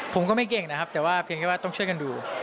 ผมก็ไม่เก่งนะครับแต่ว่าเพียงแค่ว่าต้องช่วยกันดู